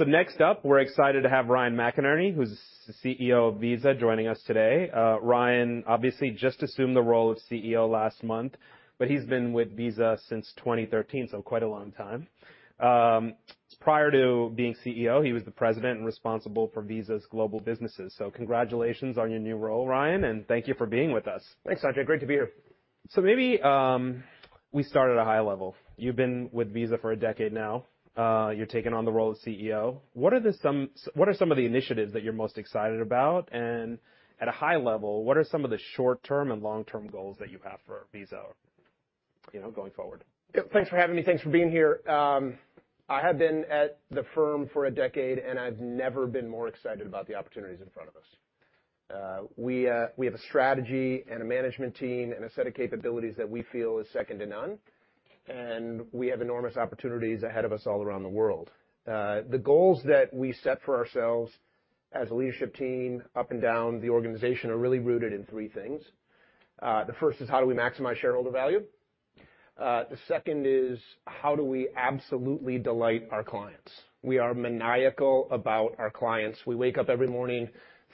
Next up, we're excited to have Ryan McInerney, who's the CEO of Visa joining us today. Ryan obviously just assumed the role of CEO last month, but he's been with Visa since 2013, quite a long time. Prior to being CEO, he was the President and responsible for Visa's global businesses. Congratulations on your new role, Ryan, and thank you for being with us. Thanks, Sanjay. Great to be here. Maybe we start at a high level. You've been with Visa for a decade now. You're taking on the role of CEO. What are some of the initiatives that you're most excited about? At a high level, what are some of the short-term and long-term goals that you have for Visa, you know, going forward? aving me. Thanks for being here. I have been at the firm for a decade, and I've never been more excited about the opportunities in front of us. We have a strategy and a management team and a set of capabilities that we feel is second to none, and we have enormous opportunities ahead of us all around the world. The goals that we set for ourselves as a leadership team up and down the organization are really rooted in three things. The first is how do we maximize shareholder value? The second is how do we absolutely delight our clients? We are maniacal about our clients. We wake up every morning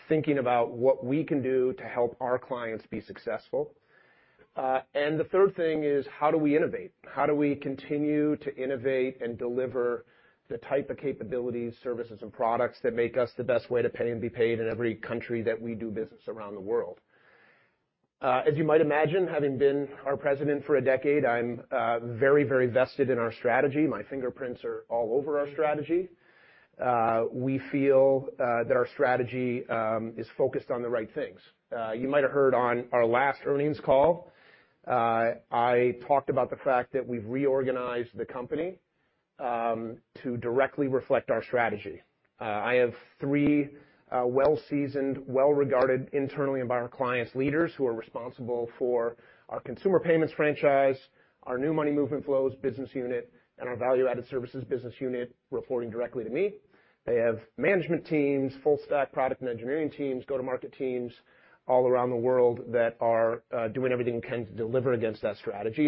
thinking about what we can do to help our clients be successful. The third thing is how do we innovate How do we continue to innovate and deliver the type of capabilities, services, and products that make us the best way to pay and be paid in every country that we do business around the world. As you might imagine, having been our president for a decade, I'm very, very vested in our strategy. My fingerprints are all over our strategy. We feel that our strategy is focused on the right things. You might have heard on our last earnings call, I talked about the fact that we've reorganized the company to directly reflect our strategy. I have three well-seasoned, well-regarded internally and by our clients, leaders who are responsible for our consumer payments franchise, our new money movement flows business unit, and our value-added services business unit reporting directly to me. They have management teams, full stack product and engineering teams, go-to-market teams all around the world that are doing everything they can to deliver against that strategy.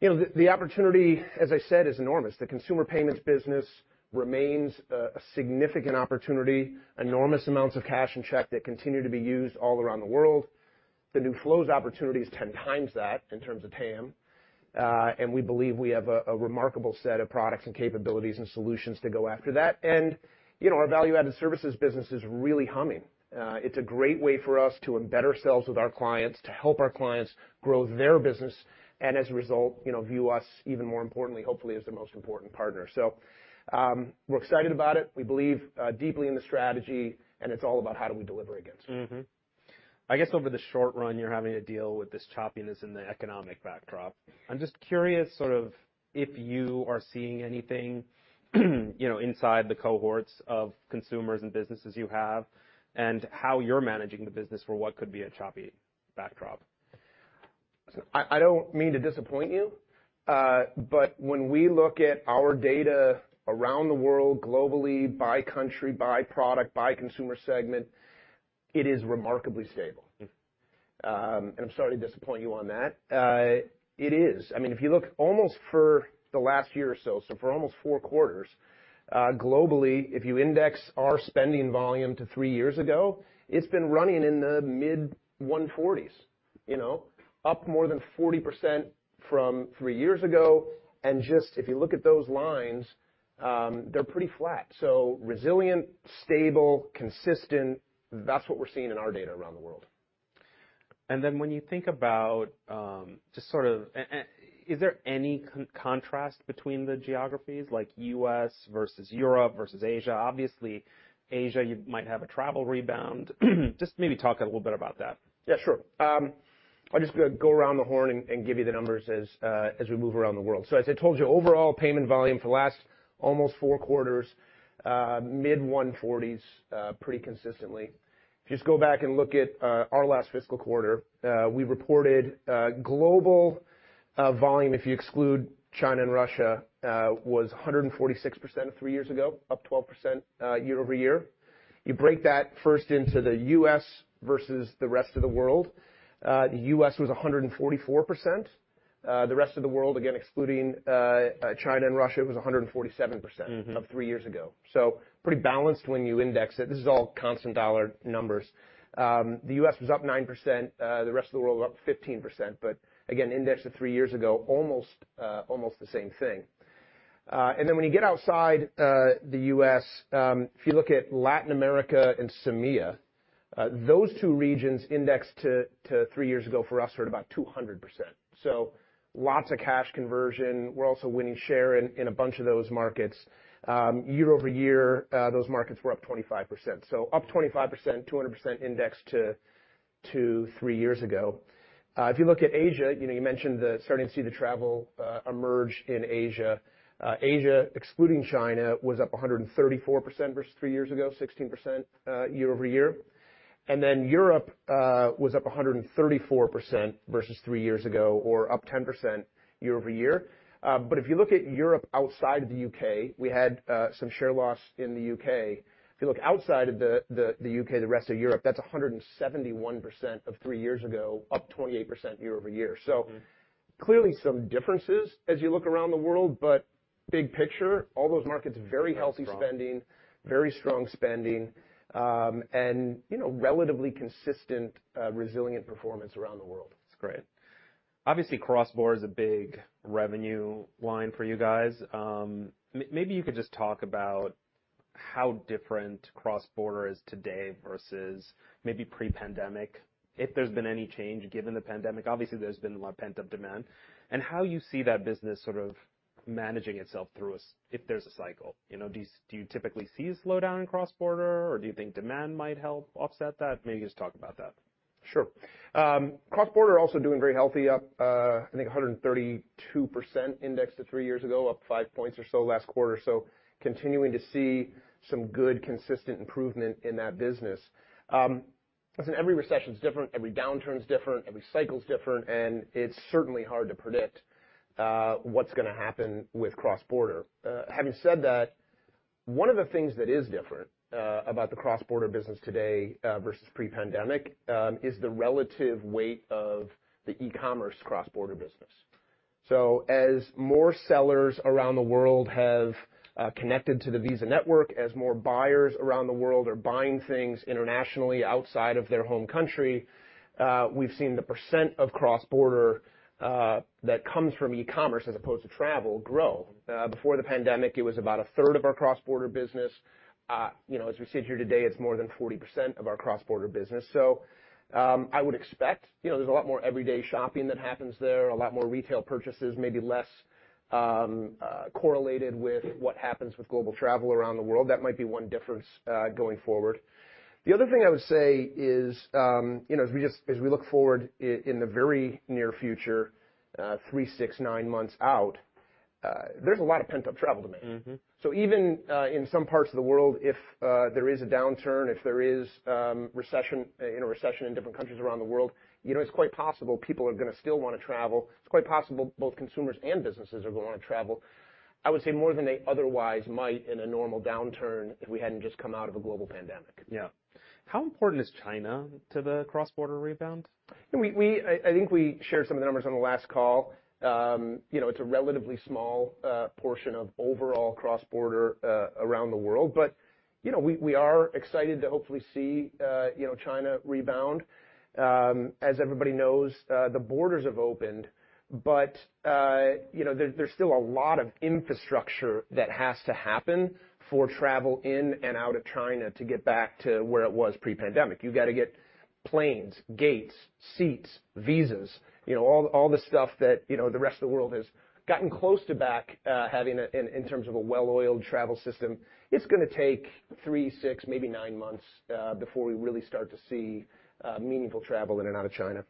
You know, the opportunity, as I said, is enormous. The consumer payments business remains a significant opportunity. Enormous amounts of cash and check that continue to be used all around the world. The new flows opportunity is 10x that in terms of TAM. We believe we have a remarkable set of products and capabilities and solutions to go after that. You know, our value-added services business is really humming. It's a great way for us to embed ourselves with our clients, to help our clients grow their business and, as a result, you know, view us even more importantly, hopefully, as their most important partner. We're excited about it. We believe, deeply in the strategy, and it's all about how do we deliver against it. I guess over the short run, you're having to deal with this choppiness in the economic backdrop. I'm just curious sort of if you are seeing anything, you know, inside the cohorts of consumers and businesses you have and how you're managing the business for what could be a choppy backdrop. I don't mean to disappoint you, but when we look at our data around the world globally, by country, by product, by consumer segment, it is remarkably stable. Mm. I'm sorry to disappoint you on that. It is. I mean, if you look almost for the last year or so for almost four quarters, globally, if you index our spending volume to three years ago, it's been running in the mid-140s, you know. Up more than 40% from three years ago. Just if you look at those lines, they're pretty flat. Resilient, stable, consistent, that's what we're seeing in our data around the world. When you think about, just sort of. Is there any contrast between the geographies like U.S. versus Europe versus Asia? Obviously Asia, you might have a travel rebound. Just maybe talk a little bit about that. Yeah, sure. I'll just go around the horn and give you the numbers as we move around the world. As I told you, overall payment volume for the last almost four quarters, mid-140s, pretty consistently. If you just go back and look at our last fiscal quarter, we reported global volume, if you exclude China and Russia, was 146% of three years ago, up 12% year-over-year. You break that first into the U.S. versus the rest of the world, the U.S. was 144%. The rest of the world, again, excluding China and Russia, was 147%. Mm-hmm... of three years ago. Pretty balanced when you index it. This is all constant dollar numbers. The U.S. was up 9%. The rest of the world was up 15%. Again, indexed to three years ago, almost the same thing. When you get outside the U.S., if you look at Latin America and MEA, those two regions indexed to three years ago for us were at about 200%. Lots of cash conversion. We're also winning share in a bunch of those markets. Year-over-year, those markets were up 25%. Up 25%, 200% indexed to three years ago. If you look at Asia, you know, you mentioned the starting to see the travel emerge in Asia. Asia, excluding China, was up 134% versus three years ago, 16% year-over-year. Europe was up 134% versus three years ago or up 10% year-over-year. If you look at Europe outside of the U.K., we had some share loss in the U.K. If you look outside of the U.K., the rest of Europe, that's 171% of three years ago, up 28% year-over-year. Mm-hmm. Clearly some differences as you look around the world, but big picture, all those markets, very healthy spending... Very strong.... very strong spending. You know, relatively consistent, resilient performance around the world. That's great. Obviously, cross-border is a big revenue line for you guys. Maybe you could just talk about how different cross-border is today versus maybe pre-pandemic, if there's been any change given the pandemic. Obviously, there's been a lot of pent-up demand. How you see that business sort of managing itself through if there's a cycle. You know, do you typically see a slowdown in cross-border or do you think demand might help offset that? Maybe just talk about that. Sure. cross-border also doing very healthy, up 132% index to three years ago, up 5 points or so last quarter. Continuing to see some good, consistent improvement in that business. listen, every recession's different, every downturn's different, every cycle's different, and it's certainly hard to predict what's gonna happen with cross-border. having said that, one of the things that is different about the cross-border business today versus pre-pandemic, is the relative weight of the e-commerce cross-border business. as more sellers around the world have connected to the Visa network, as more buyers around the world are buying things internationally outside of their home country, we've seen the percent of cross-border that comes from e-commerce as opposed to travel grow. Before the pandemic, it was about a third of our cross-border business. You know, as we sit here today, it's more than 40% of our cross-border business. I would expect, you know, there's a lot more everyday shopping that happens there, a lot more retail purchases, maybe less correlated with what happens with global travel around the world. That might be one difference going forward. The other thing I would say is, you know, as we look forward in the very near future, three, six, nine months out, there's a lot of pent-up travel demand. Mm-hmm. Even in some parts of the world, if there is a downturn, if there is recession, you know, recession in different countries around the world, you know, it's quite possible people are gonna still wanna travel. It's quite possible both consumers and businesses are gonna wanna travel, I would say more than they otherwise might in a normal downturn if we hadn't just come out of a global pandemic. Yeah. How important is China to the cross-border rebound? I think we shared some of the numbers on the last call. You know, it's a relatively small portion of overall cross-border around the world. You know, we are excited to hopefully see, you know, China rebound. As everybody knows, the borders have opened, you know, there's still a lot of infrastructure that has to happen for travel in and out of China to get back to where it was pre-pandemic. You gotta get planes, gates, seats, visas, you know, all the stuff that, you know, the rest of the world has gotten close to back, having a well-oiled travel system. It's gonna take three, six, maybe nine months before we really start to see meaningful travel in and out of China.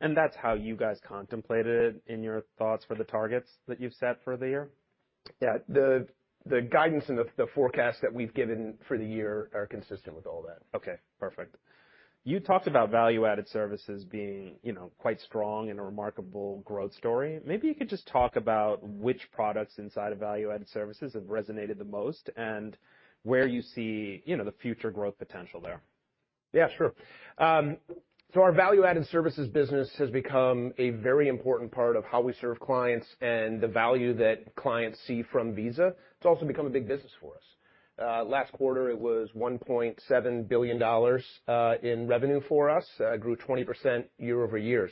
That's how you guys contemplated it in your thoughts for the targets that you've set for the year? Yeah. The guidance and the forecast that we've given for the year are consistent with all that. Okay, perfect. You talked about value-added services being, you know, quite strong and a remarkable growth story. Maybe you could just talk about which products inside of value-added services have resonated the most and where you see, you know, the future growth potential there? Yeah, sure. Our value-added services business has become a very important part of how we serve clients and the value that clients see from Visa. It's also become a big business for us. Last quarter, it was $1.7 billion in revenue for us. It grew 20% year-over-year.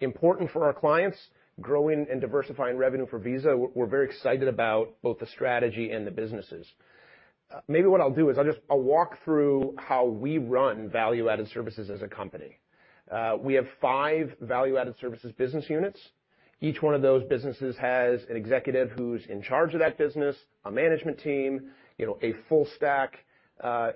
Important for our clients, growing and diversifying revenue for Visa. We're very excited about both the strategy and the businesses. Maybe what I'll do is I'll just walk through how we run value-added services as a company. We have five value-added services business units. Each one of those businesses has an executive who's in charge of that business, a management team, you know, a full stack,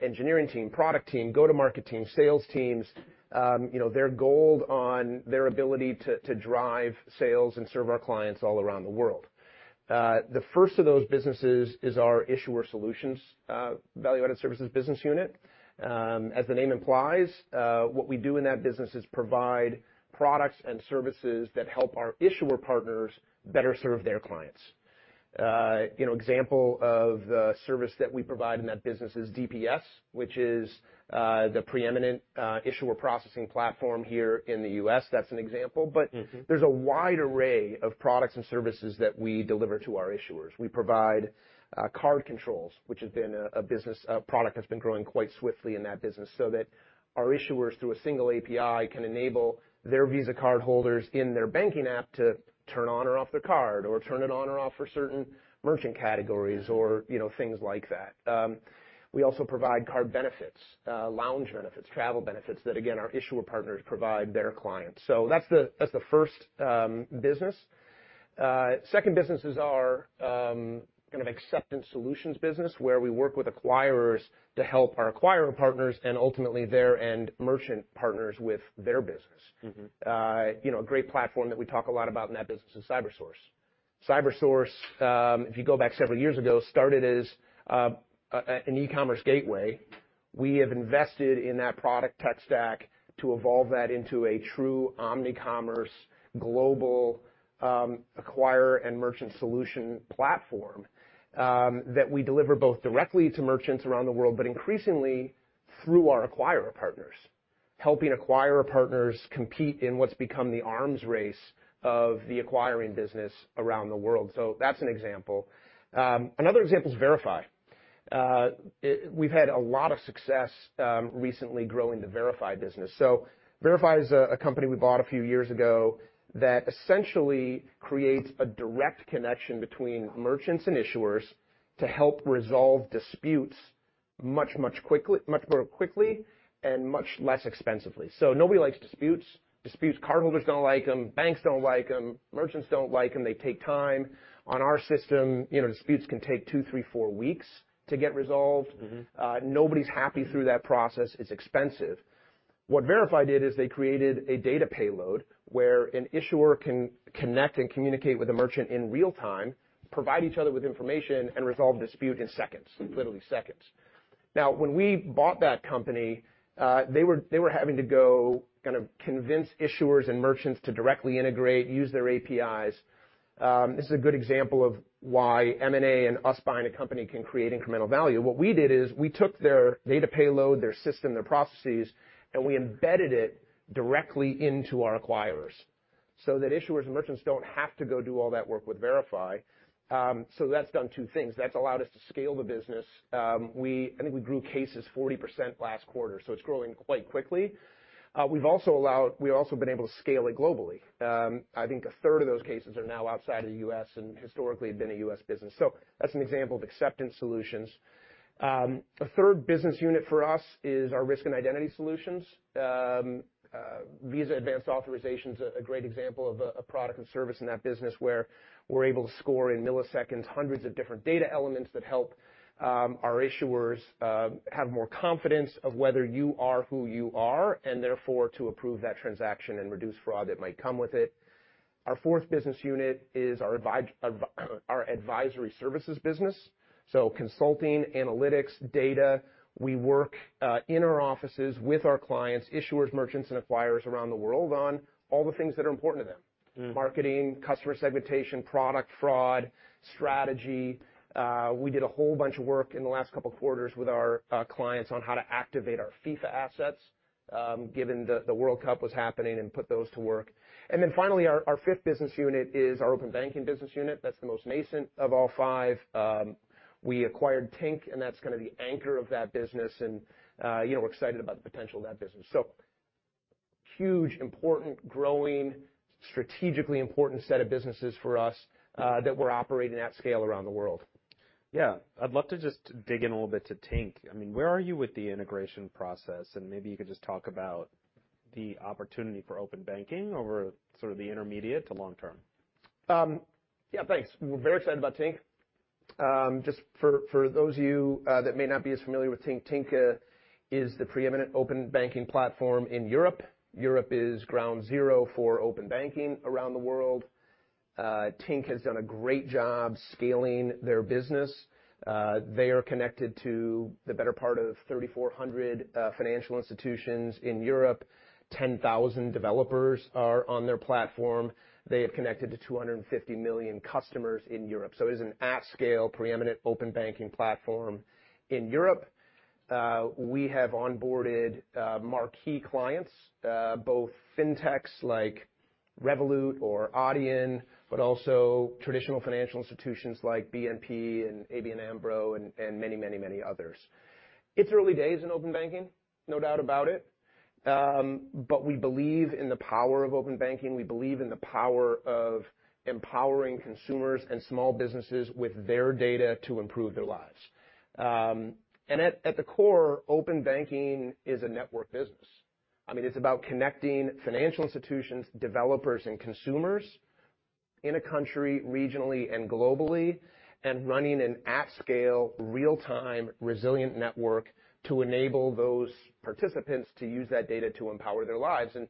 engineering team, product team, go-to-market team, sales teams. You know, they're gold on their ability to drive sales and serve our clients all around the world. The first of those businesses is our issuer solutions, value-added services business unit. As the name implies, what we do in that business is provide products and services that help our issuer partners better serve their clients. You know, example of the service that we provide in that business is DPS, which is the preeminent issuer processing platform here in the U.S. That's an example. Mm-hmm. There's a wide array of products and services that we deliver to our issuers. We provide card controls, which have been a business, a product that's been growing quite swiftly in that business, so that our issuers, through a single API, can enable their Visa cardholders in their banking app to turn on or off their card or turn it on or off for certain merchant categories or, you know, things like that. We also provide card benefits, lounge benefits, travel benefits that, again, our issuer partners provide their clients. That's the first business. Second business is our kind of acceptance solutions business, where we work with acquirers to help our acquirer partners and ultimately their end merchant partners with their business. Mm-hmm. You know, a great platform that we talk a lot about in that business is CyberSource. CyberSource, if you go back several years ago, started as an e-commerce gateway. We have invested in that product tech stack to evolve that into a true omnicommerce global acquirer and merchant solution platform that we deliver both directly to merchants around the world, but increasingly through our acquirer partners. Helping acquirer partners compete in what's become the arms race of the acquiring business around the world. That's an example. Another example is Verifi. We've had a lot of success recently growing the Verifi business. Verifi is a company we bought a few years ago that essentially creates a direct connection between merchants and issuers to help resolve disputes much more quickly and much less expensively. Nobody likes disputes. Disputes, cardholders don't like 'em, banks don't like 'em, merchants don't like 'em. They take time. On our system, you know, disputes can take two, three, four weeks to get resolved. Mm-hmm. Nobody's happy through that process. It's expensive. What Verifi did is they created a data payload where an issuer can connect and communicate with a merchant in real time, provide each other with information, and resolve the dispute in seconds. Mm-hmm... literally seconds. When we bought that company, they were having to go kind of convince issuers and merchants to directly integrate, use their APIs. This is a good example of why M&A and us buying a company can create incremental value. What we did is we took their data payload, their system, their processes, and we embedded it directly into our acquirers so that issuers and merchants don't have to go do all that work with Verifi. That's done two things. That's allowed us to scale the business. I think we grew cases 40% last quarter, so it's growing quite quickly. We've also been able to scale it globally. I think a third of those cases are now outside of the U.S., and historically had been a U.S. business. That's an example of acceptance solutions. A third business unit for us is our risk and identity solutions. Visa Advanced Authorization's a great example of a product and service in that business where we're able to score in milliseconds hundreds of different data elements that help our issuers have more confidence of whether you are who you are, and therefore to approve that transaction and reduce fraud that might come with it. Our fourth business unit is our advisory services business, so consulting, analytics, data. We work in our offices with our clients, issuers, merchants, and acquirers around the world on all the things that are important to them. Mm. Marketing, customer segmentation, product fraud, strategy. We did a whole bunch of work in the last couple quarters with our clients on how to activate our FIFA assets, given the World Cup was happening, and put those to work. Finally, our fifth business unit is our open banking business unit. That's the most nascent of all five. We acquired Tink, and that's kinda the anchor of that business. You know, we're excited about the potential of that business. Huge, important, growing, strategically important set of businesses for us that we're operating at scale around the world. Yeah. I'd love to just dig in a little bit to Tink. I mean, where are you with the integration process? Maybe you could just talk about the opportunity for open banking over sort of the intermediate to long term. Yeah, thanks. We're very excited about Tink. Just for those of you that may not be as familiar with Tink is the preeminent open banking platform in Europe. Europe is ground zero for open banking around the world. Tink has done a great job scaling their business. They are connected to the better part of 3,400 financial institutions in Europe. 10,000 developers are on their platform. They have connected to 250 million customers in Europe, so it is an at-scale preeminent open banking platform in Europe. We have onboarded marquee clients, both fintechs like Revolut or Adyen, but also traditional financial institutions like BNP and ABN AMRO and many, many, many others. It's early days in open banking, no doubt about it. We believe in the power of open banking. We believe in the power of empowering consumers and small businesses with their data to improve their lives. At the core, open banking is a network business. I mean, it's about connecting financial institutions, developers, and consumers in a country regionally and globally and running an at-scale, real-time, resilient network to enable those participants to use that data to empower their lives. You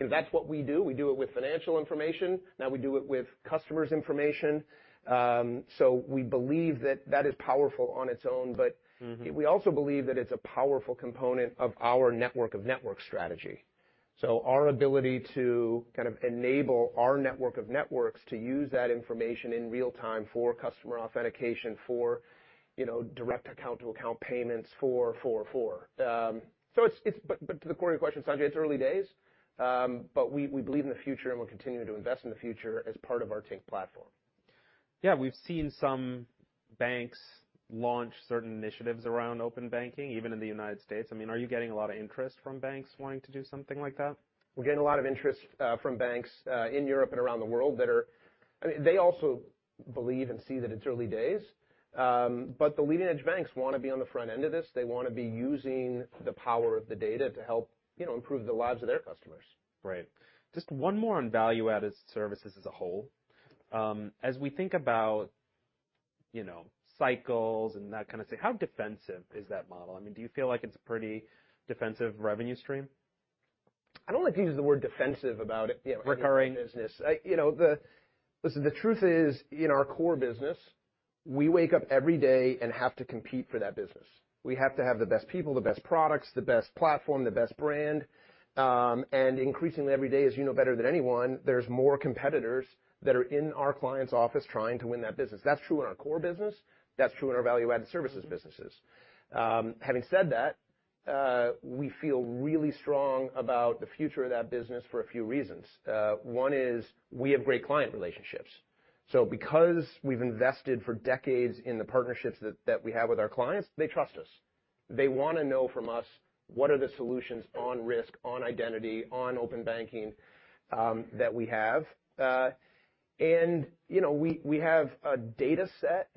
know, that's what we do. We do it with financial information. Now we do it with customers' information. So we believe that that is powerful on its own, but. Mm-hmm... we also believe that it's a powerful component of our network of networks strategy. Our ability to kind of enable our network of networks to use that information in real time for customer authentication, for, you know, direct account to account payments, for. It's... To the core of your question, Sanjay, it's early days, but we believe in the future, and we're continuing to invest in the future as part of our Tink platform. Yeah. We've seen some banks launch certain initiatives around open banking, even in the United States. I mean, are you getting a lot of interest from banks wanting to do something like that? We're getting a lot of interest, from banks, in Europe and around the world. I mean, they also believe and see that it's early days. The leading edge banks wanna be on the front end of this. They wanna be using the power of the data to help, you know, improve the lives of their customers. Right. Just one more on value-added services as a whole. As we think about, you know, cycles and that kind of thing, how defensive is that model? I mean, do you feel like it's a pretty defensive revenue stream? I don't like to use the word defensive about it- Recurring... in business. You know, listen, the truth is, in our core business, we wake up every day and have to compete for that business. We have to have the best people, the best products, the best platform, the best brand. And increasingly every day, as you know better than anyone, there's more competitors that are in our client's office trying to win that business. That's true in our core business. That's true in our value-added services businesses. Having said that, we feel really strong about the future of that business for a few reasons. One is we have great client relationships. Because we've invested for decades in the partnerships that we have with our clients, they trust us. They wanna know from us what are the solutions on risk, on identity, on open banking, that we have. You know, we have a data set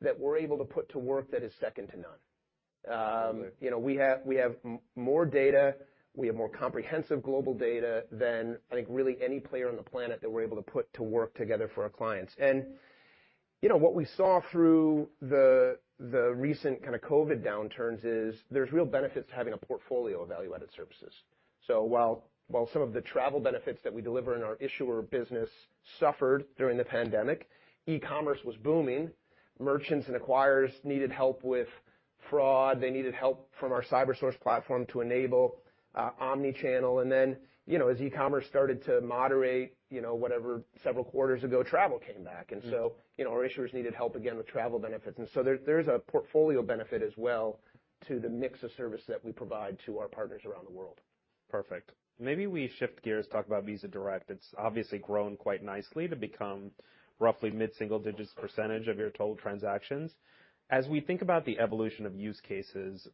that we're able to put to work that is second to none. You know, we have more data, we have more comprehensive global data than I think really any player on the planet that we're able to put to work together for our clients. You know, what we saw through the recent kind of COVID downturns is there's real benefits to having a portfolio of value-added services. While some of the travel benefits that we deliver in our issuer business suffered during the pandemic, e-commerce was booming. Merchants and acquirers needed help with fraud. They needed help from our CyberSource platform to enable omni-channel. Then, you know, as e-commerce started to moderate, you know, whatever, several quarters ago, travel came back. Mm. You know, our issuers needed help again with travel benefits. There is a portfolio benefit as well to the mix of service that we provide to our partners around the world. Perfect. Maybe we shift gears, talk about Visa Direct. It's obviously grown quite nicely to become roughly mid-single digits percentage of your total transactions. As we think about the evolution of use cases,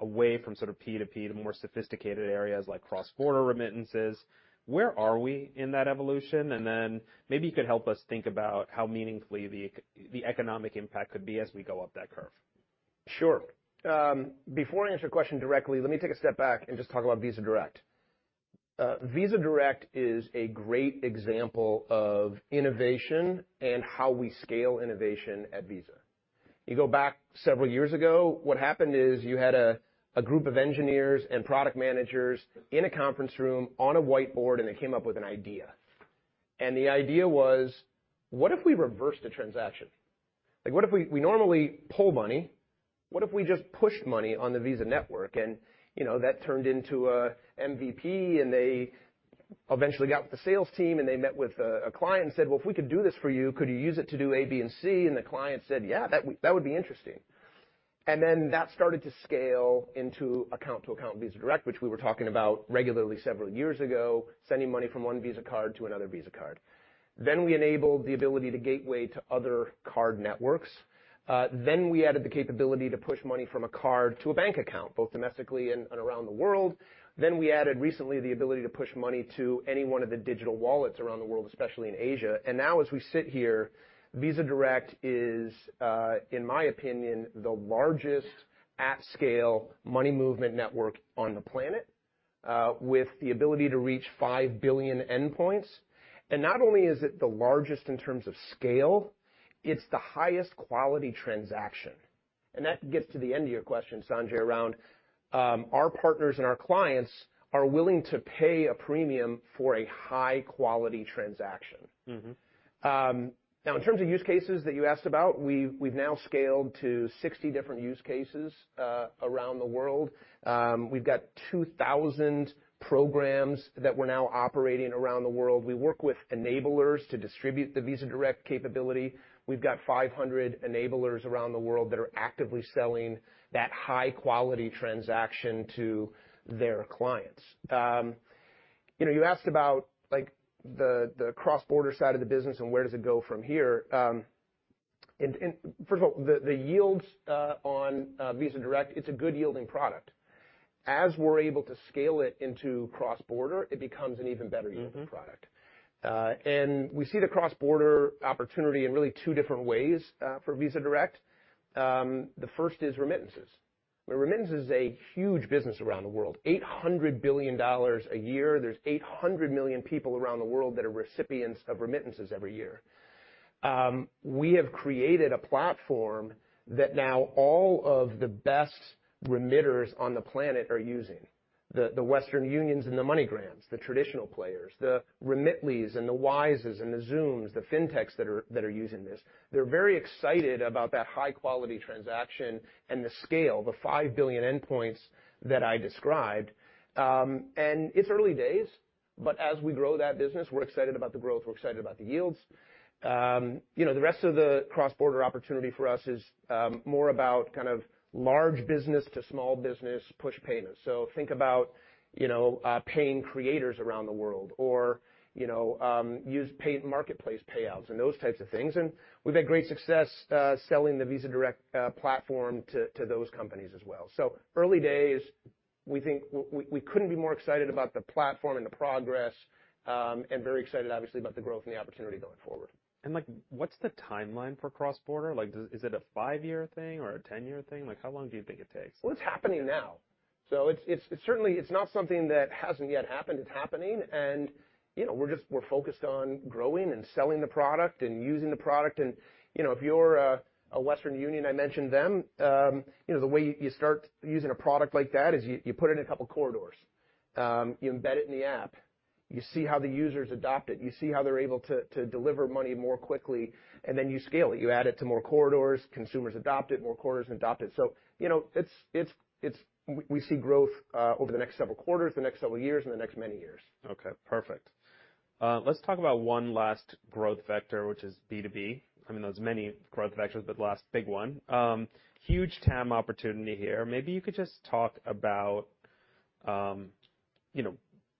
away from sort of P2P to more sophisticated areas like cross-border remittances, where are we in that evolution? Maybe you could help us think about how meaningfully the economic impact could be as we go up that curve. Sure. Before I answer your question directly, let me take a step back and just talk about Visa Direct. Visa Direct is a great example of innovation and how we scale innovation at Visa. You go back several years ago, what happened is you had a group of engineers and product managers in a conference room on a whiteboard, and they came up with an idea. The idea was, what if we reverse the transaction? Like, We normally pull money. What if we just pushed money on the Visa network? You know, that turned into a MVP, and they eventually got with the sales team, and they met with a client and said, "Well, if we could do this for you, could you use it to do A, B, and C?" The client said, "Yeah, that would be interesting." That started to scale into account-to-account Visa Direct, which we were talking about regularly several years ago, sending money from one Visa card to another Visa card. We enabled the ability to gateway to other card networks. We added the capability to push money from a card to a bank account, both domestically and around the world. We added recently the ability to push money to any one of the digital wallets around the world, especially in Asia. As we sit here, Visa Direct is, in my opinion, the largest at-scale money movement network on the planet, with the ability to reach 5 billion endpoints. Not only is it the largest in terms of scale, it's the highest quality transaction. That gets to the end of your question, Sanjay, around our partners and our clients are willing to pay a premium for a high-quality transaction. Mm-hmm. Now in terms of use cases that you asked about, we've now scaled to 60 different use cases around the world. We've got 2,000 programs that we're now operating around the world. We work with enablers to distribute the Visa Direct capability. We've got 500 enablers around the world that are actively selling that high-quality transaction to their clients. You know, you asked about, like, the cross-border side of the business and where does it go from here. First of all, the yields on Visa Direct, it's a good yielding product. As we're able to scale it into cross-border, it becomes an even better yielding product. Mm-hmm. We see the cross-border opportunity in really two different ways for Visa Direct. The first is remittances, where remittance is a huge business around the world, $800 billion a year. There's 800 million people around the world that are recipients of remittances every year. We have created a platform that now all of the best remitters on the planet are using. The Western Unions and the MoneyGrams, the traditional players, the Remitlys and the Wises and the Xoom, the fintechs that are using this. They're very excited about that high-quality transaction and the scale, the 5 billion endpoints that I described. It's early days, but as we grow that business, we're excited about the growth, we're excited about the yields. You know, the rest of the cross-border opportunity for us is more about kind of large business to small business push payments. Think about, you know, paying creators around the world or, you know, marketplace payouts and those types of things. We've had great success selling the Visa Direct platform to those companies as well. Early days, we think we couldn't be more excited about the platform and the progress, and very excited obviously about the growth and the opportunity going forward. like, what's the timeline for cross-border? Like, is it a five-year thing or a 10-year thing? Like, how long do you think it takes? Well, it's happening now. it's certainly, it's not something that hasn't yet happened. It's happening. you know, we're just, we're focused on growing and selling the product and using the product. you know, if you're a Western Union, I mentioned them, you know, the way you start using a product like that is you put it in a couple corridors. You embed it in the app. You see how the users adopt it. You see how they're able to deliver money more quickly, then you scale it. You add it to more corridors, consumers adopt it, more corridors adopt it. you know, it's we see growth over the next several quarters, the next several years, and the next many years. Okay, perfect. Let's talk about one last growth vector, which is B2B. I mean, there was many growth vectors, but the last big one. Huge TAM opportunity here. Maybe you could just talk about, you know,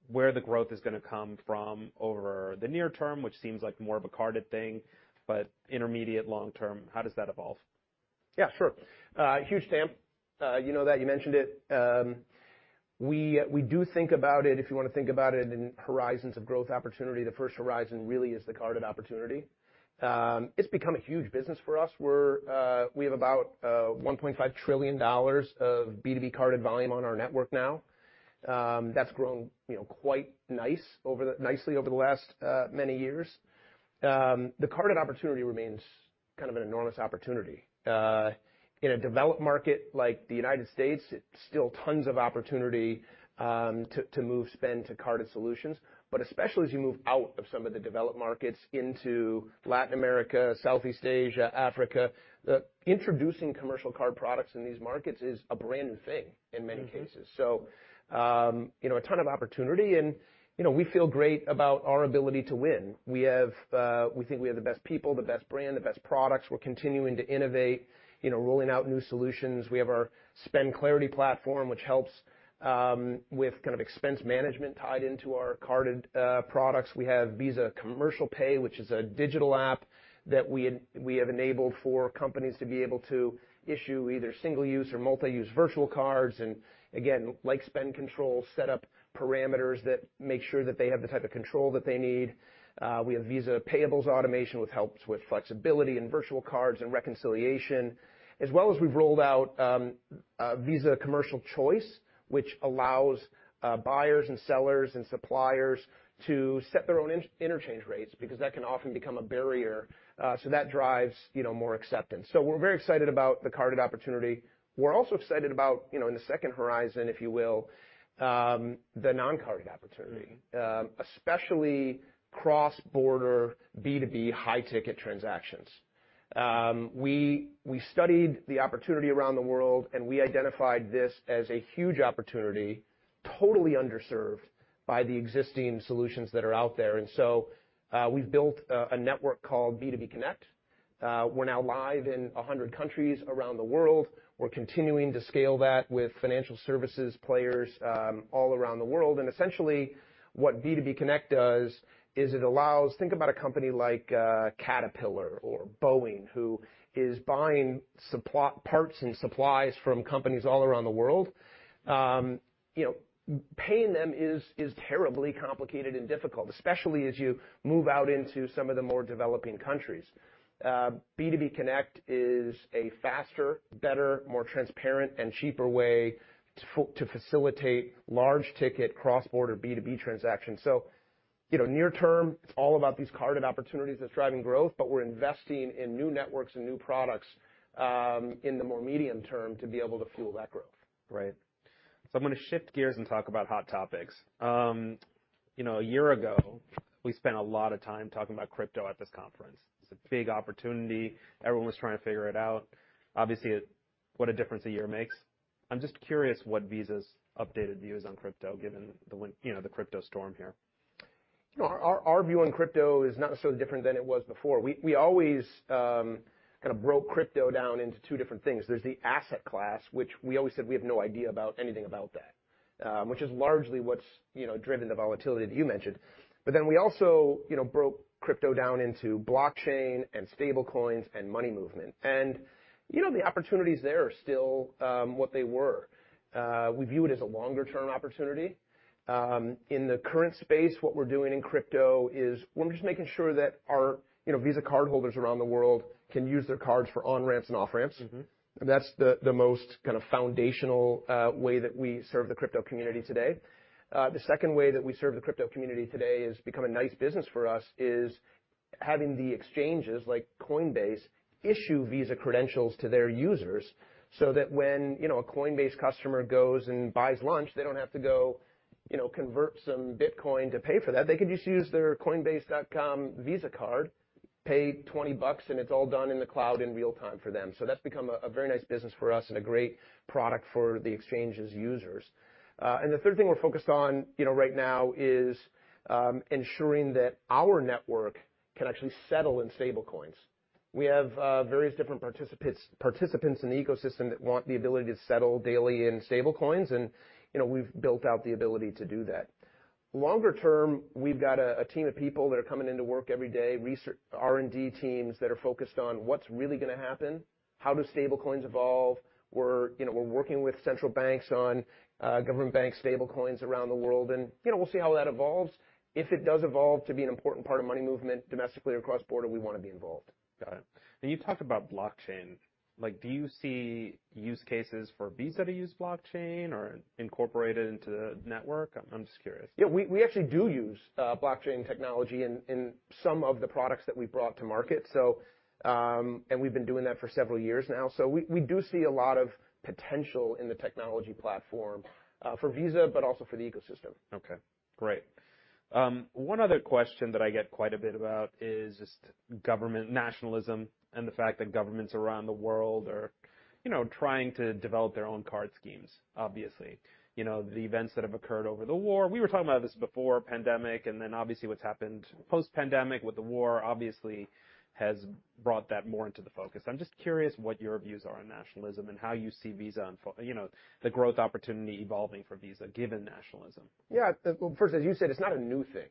where the growth is gonna come from over the near term, which seems like more of a carded thing, but intermediate long-term, how does that evolve? Yeah, sure. Huge TAM. you know that, you mentioned it. We do think about it, if you wanna think about it in horizons of growth opportunity, the first horizon really is the carded opportunity. It's become a huge business for us. We have about $1.5 trillion of B2B carded volume on our network now. That's grown, you know, quite nicely over the last many years. The carded opportunity remains kind of an enormous opportunity. In a developed market like the United States, it's still tons of opportunity to move spend to carded solutions. Especially as you move out of some of the developed markets into Latin America, Southeast Asia, Africa, introducing commercial card products in these markets is a brand new thing in many cases. Mm-hmm. You know, a ton of opportunity and, you know, we feel great about our ability to win. We have, we think we have the best people, the best brand, the best products. We're continuing to innovate, you know, rolling out new solutions. We have our Visa Spend Clarity platform, which helps with kind of expense management tied into our carded products. We have Visa Commercial Pay, which is a digital app that we have enabled for companies to be able to issue either single-use or multi-use virtual cards and again, like spend control, set up parameters that make sure that they have the type of control that they need. We have Visa Payables Automation, which helps with flexibility and virtual cards and reconciliation. As well as we've rolled out, Visa Commercial Choice, which allows buyers and sellers and suppliers to set their own interchange rates because that can often become a barrier. That drives, you know, more acceptance. We're very excited about the carded opportunity. We're also excited about, you know, in the second horizon, if you will, the non-carded opportunity. Mm-hmm. Especially cross-border B2B high-ticket transactions. We studied the opportunity around the world, we identified this as a huge opportunity, totally underserved by the existing solutions that are out there. We've built a network called B2B Connect. We're now live in 100 countries around the world. We're continuing to scale that with financial services players all around the world. Essentially, what B2B Connect does is it allows think about a company like Caterpillar or Boeing, who is buying parts and supplies from companies all around the world. You know, paying them is terribly complicated and difficult, especially as you move out into some of the more developing countries. B2B Connect is a faster, better, more transparent and cheaper way to facilitate large ticket cross-border B2B transactions. you know, near term, it's all about these carded opportunities that's driving growth, but we're investing in new networks and new products, in the more medium term to be able to fuel that growth. Right. I'm gonna shift gears and talk about hot topics. You know, a year ago, we spent a lot of time talking about crypto at this conference. It's a big opportunity. Everyone was trying to figure it out. Obviously, what a difference a year makes. I'm just curious what Visa's updated views on crypto, given you know, the crypto storm here. You know, our view on crypto is not necessarily different than it was before. We, we always kinda broke crypto down into two different things. There's the asset class, which we always said we have no idea about anything about that, which is largely what's, you know, driven the volatility that you mentioned. We also, you know, broke crypto down into blockchain and stablecoins and money movement. You know, the opportunities there are still what they were. We view it as a longer-term opportunity. In the current space, what we're doing in crypto is we're just making sure that our, you know, Visa cardholders around the world can use their cards for on-ramps and off-ramps. Mm-hmm. That's the most kind of foundational way that we serve the crypto community today. The second way that we serve the crypto community today has become a nice business for us, is having the exchanges like Coinbase issue Visa credentials to their users so that when, you know, a Coinbase customer goes and buys lunch, they don't have to go, you know, convert some Bitcoin to pay for that. They can just use their coinbase.com Visa card, pay $20, and it's all done in the cloud in real-time for them. That's become a very nice business for us and a great product for the exchange's users. The third thing we're focused on, you know, right now is ensuring that our network can actually settle in stablecoins. We have various different participants in the ecosystem that want the ability to settle daily in stablecoins and, you know, we've built out the ability to do that. Longer term, we've got a team of people that are coming into work every day, R&D teams that are focused on what's really gonna happen, how do stablecoins evolve. We're, you know, working with central banks on government-backed stablecoins around the world and, you know, we'll see how that evolves. If it does evolve to be an important part of money movement domestically across-border, we wanna be involved. Got it. You talked about blockchain. Like, do you see use cases for Visa to use blockchain or incorporate it into the network? I'm just curious. Yeah. We actually do use blockchain technology in some of the products that we've brought to market. We've been doing that for several years now. We do see a lot of potential in the technology platform, for Visa, but also for the ecosystem. Okay. Great. One other question that I get quite a bit about is just government nationalism and the fact that governments around the world are, you know, trying to develop their own card schemes, obviously. You know, the events that have occurred over the war, we were talking about this before pandemic and then obviously what's happened post-pandemic with the war obviously has brought that more into the focus. I'm just curious what your views are on nationalism and how you see Visa on, you know, the growth opportunity evolving for Visa given nationalism? Yeah. Well, first, as you said, it's not a new thing.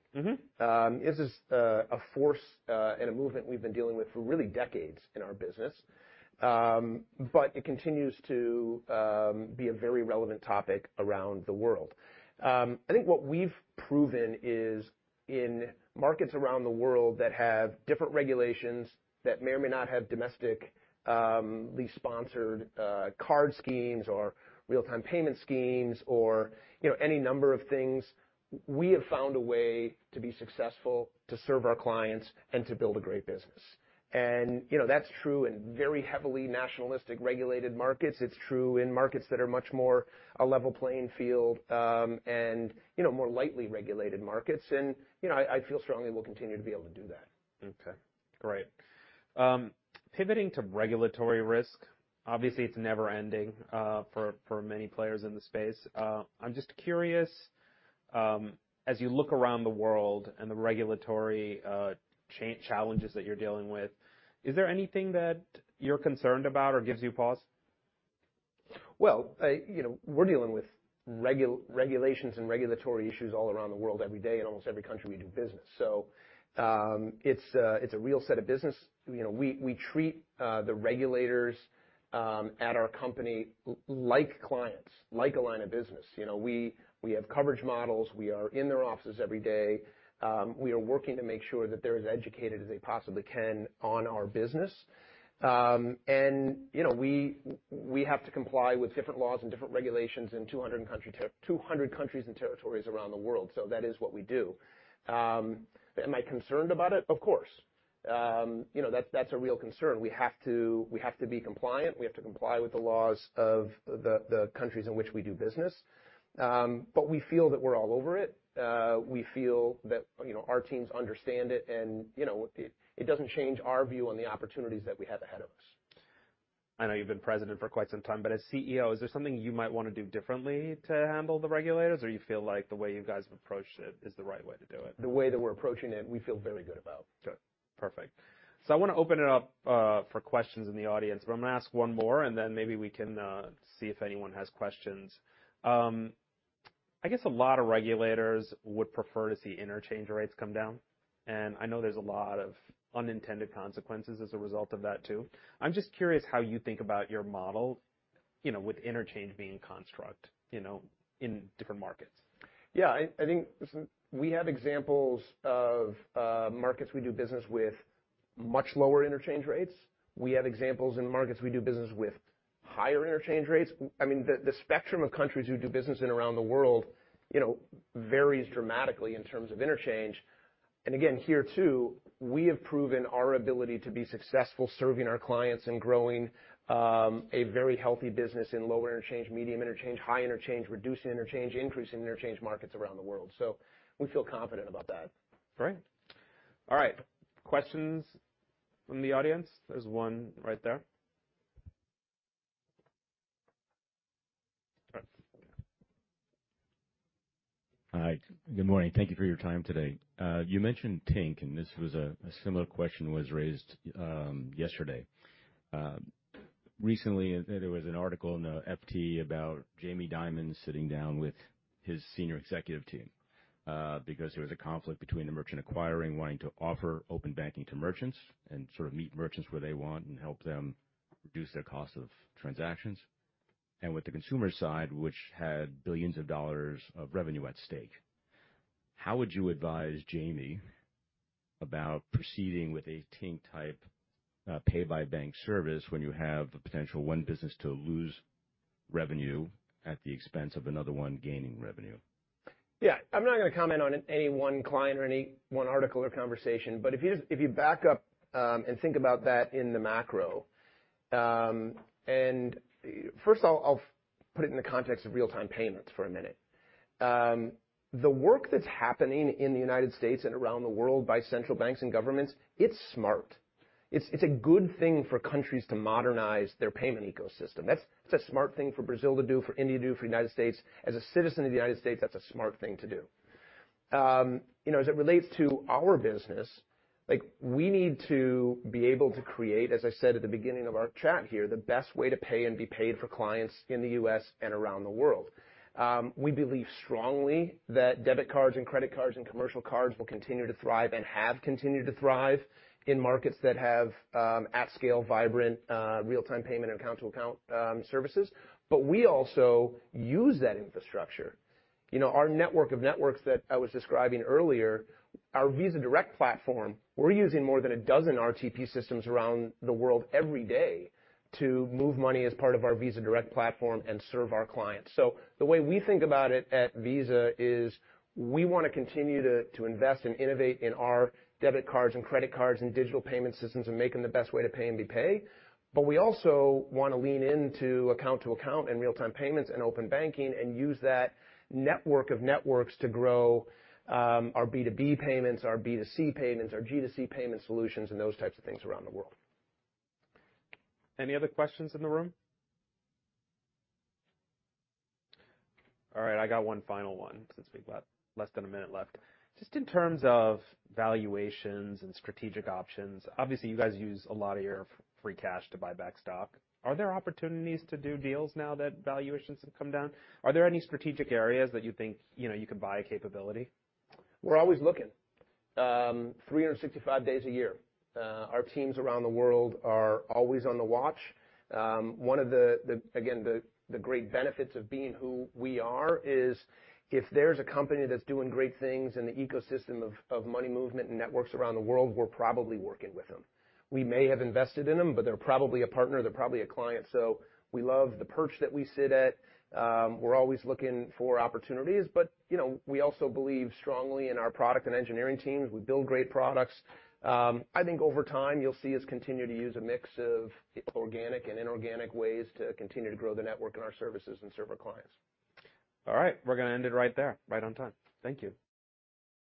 Mm-hmm. This is a force and a movement we've been dealing with for really decades in our business. It continues to be a very relevant topic around the world. I think what we've proven is in markets around the world that have different regulations that may or may not have domestically sponsored card schemes or real-time payment schemes or, you know, any number of things, we have found a way to be successful, to serve our clients, and to build a great business. You know, that's true in very heavily nationalistic regulated markets. It's true in markets that are much more a level playing field, and, you know, more lightly regulated markets. You know, I feel strongly we'll continue to be able to do that. Okay. Great. Pivoting to regulatory risk, obviously it's never ending, for many players in the space. I'm just curious, as you look around the world and the regulatory challenges that you're dealing with, is there anything that you're concerned about or gives you pause? Well, you know, we're dealing with regulations and regulatory issues all around the world every day in almost every country we do business. It's a real set of business. You know, we treat the regulators at our company like clients, like a line of business. You know, we have coverage models. We are in their offices every day. We are working to make sure that they're as educated as they possibly can on our business. And, you know, we have to comply with different laws and different regulations in 200 countries and territories around the world, so that is what we do. Am I concerned about it? Of course. You know, that's a real concern. We have to be compliant. We have to comply with the laws of the countries in which we do business. We feel that we're all over it. We feel that, you know, our teams understand it and, you know, it doesn't change our view on the opportunities that we have ahead of us. I know you've been president for quite some time, but as CEO, is there something you might wanna do differently to handle the regulators, or you feel like the way you guys have approached it is the right way to do it? The way that we're approaching it, we feel very good about. Good. Perfect. I wanna open it up for questions in the audience, but I'm gonna ask one more, and then maybe we can see if anyone has questions. I guess a lot of regulators would prefer to see interchange rates come down. I know there's a lot of unintended consequences as a result of that too. I'm just curious how you think about your model, you know, with interchange being construct, you know, in different markets? Yeah. I think listen, we have examples of markets we do business with much lower interchange rates. We have examples in markets we do business with higher interchange rates. I mean, the spectrum of countries we do business in around the world, you know, varies dramatically in terms of interchange. Again, here too, we have proven our ability to be successful serving our clients and growing a very healthy business in lower interchange, medium interchange, high interchange, reducing interchange, increasing interchange markets around the world. We feel confident about that. Great. All right, questions from the audience? There's one right there. All right. Hi. Good morning. Thank you for your time today. You mentioned Tink, and this was a similar question was raised, yesterday. Recently, there was an article in the FT about Jamie Dimon sitting down with his senior executive team, because there was a conflict between the merchant acquiring wanting to offer open banking to merchants and sort of meet merchants where they want and help them reduce their cost of transactions, and with the consumer side, which had billions of dollars of revenue at stake. How would you advise Jamie about proceeding with a Tink-type, Pay by Bank service when you have the potential one business to lose revenue at the expense of another one gaining revenue? Yeah. I'm not gonna comment on any one client or any one article or conversation. If you back up and think about that in the macro, first of all I'll put it in the context of real-time payments for a minute. The work that's happening in the United States and around the world by central banks and governments, it's smart. It's a good thing for countries to modernize their payment ecosystem. That's a smart thing for Brazil to do, for India to do, for the United States. As a citizen of the United States, that's a smart thing to do. You know, as it relates to our business, like, we need to be able to create, as I said at the beginning of our chat here, the best way to pay and be paid for clients in the US and around the world. We believe strongly that debit cards and credit cards and commercial cards will continue to thrive and have continued to thrive in markets that have, at scale, vibrant, real-time payment and account to account services. We also use that infrastructure. You know, our network of networks that I was describing earlier, our Visa Direct platform, we're using more than 12 RTP systems around the world every day to move money as part of our Visa Direct platform and serve our clients. The way we think about it at Visa is we wanna continue to invest and innovate in our debit cards and credit cards and digital payment systems and make them the best way to pay and be paid, but we also wanna lean into account to account and real-time payments and open banking and use that network of networks to grow our B2B payments, our B2C payments, our G2C payment solutions, and those types of things around the world. Any other questions in the room? All right. I got one final one since we've got less than a minute left. Just in terms of valuations and strategic options, obviously, you guys use a lot of your free cash to buy back stock. Are there opportunities to do deals now that valuations have come down? Are there any strategic areas that you think, you know, you could buy a capability? We're always looking, 365 days a year. Our teams around the world are always on the watch. One of the again, the great benefits of being who we are is if there's a company that's doing great things in the ecosystem of money movement and networks around the world, we're probably working with them. We may have invested in them, but they're probably a partner, they're probably a client. We love the perch that we sit at. We're always looking for opportunities. You know, we also believe strongly in our product and engineering teams. We build great products. I think over time, you'll see us continue to use a mix of organic and inorganic ways to continue to grow the network and our services and serve our clients. All right. We're gonna end it right there, right on time. Thank you.